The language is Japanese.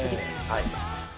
はい。